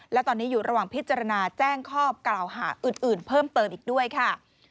และตอนนี้อยู่ระหว่างพิจารณาแจ้งข้อกล่าวหาอื่นเพิ่มเติมอีกด้วยค่ะ